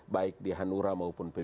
baik di hanura maupun pbb